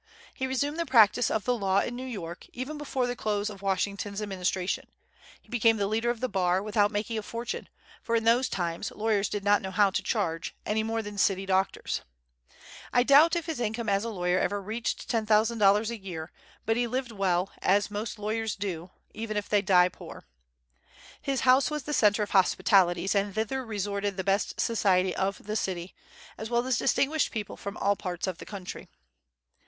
He resumed the practice of the law in New York, even before the close of Washington's administration. He became the leader of the Bar, without making a fortune; for in those times lawyers did not know how to charge, any more than city doctors. I doubt if his income as a lawyer ever reached $10,000 a year; but he lived well, as most lawyers do, even if they die poor. His house was the centre of hospitalities, and thither resorted the best society of the city, as well as distinguished people from all parts of the country.